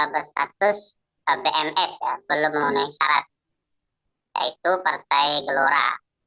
berstatus bms belum memenuhi syarat yaitu partai gelora